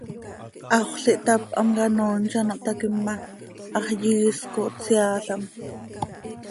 Haxöl ihtáp, hamcanoiin z ano htaquim ma, hax yiisc oo, tseaalam.